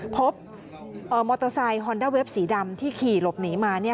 พบมอเตอร์ไซค์ฮอนด้าเว็บสีดำที่ขี่หลบหนีมา